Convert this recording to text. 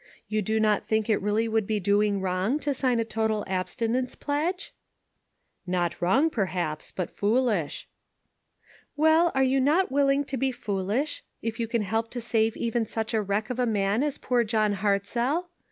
You do not think it really would be doing wrong to sign a total abstinence pledge?" " Not wrong, perhaps, but foolish." " Well, are you not willing to be fool ish, if you can help to save even such a wreck of a man as poor John Hartzell?